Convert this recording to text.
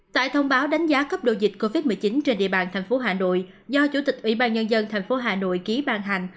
tại thông báo đánh giá cấp độ dịch covid một mươi chín trên địa bàn thành phố hà nội do chủ tịch ủy ban nhân dân tp hà nội ký ban hành